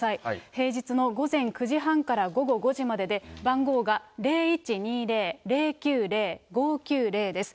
平日の午前９時半から午後５時までで、番号が０１２０ー０９０５９０です。